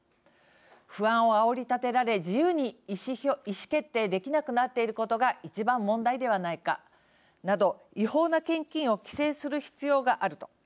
不安をあおりたてられ自由に意思決定できなくなっていることが一番問題ではないかなど違法な献金を規制する必要があると。